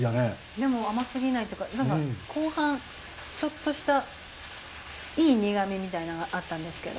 でも甘すぎないというか後半ちょっとしたいい苦みみたいのがあったんですけど。